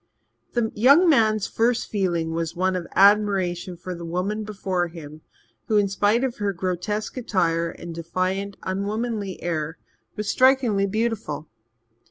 The young man's first feeling was one of admiration for the woman before him, who, in spite of her grotesque attire and defiant, unwomanly air, was strikingly beautiful.